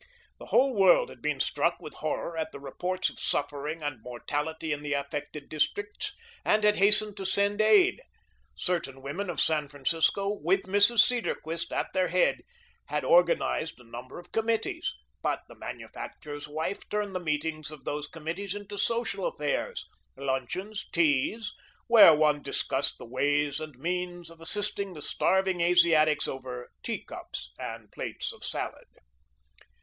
The whole world had been struck with horror at the reports of suffering and mortality in the affected districts, and had hastened to send aid. Certain women of San Francisco, with Mrs. Cedarquist at their head, had organised a number of committees, but the manufacturer's wife turned the meetings of these committees into social affairs luncheons, teas, where one discussed the ways and means of assisting the starving Asiatics over teacups and plates of salad.